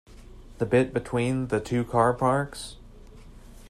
The bit between the two car parks?